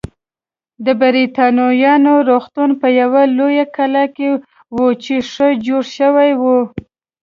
د بریتانویانو روغتون په یوه لویه کلا کې و چې ښه جوړه شوې وه.